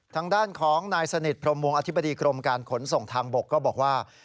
ทางด้านของนายสนิทพรมวงอธิบดีกรมการขนส่งทางบกก็บอกว่า